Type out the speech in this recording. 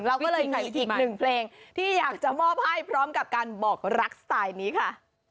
เราก็เลยมีอีกหนึ่งเพลงที่อยากจะมอบให้พร้อมกับการบอกรักสไตล์นี้ค่ะ